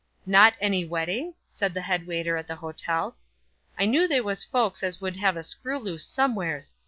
"Not any wedding?" said the head waiter at the hotel. "I knew they was folks as would have a screw loose somewheres.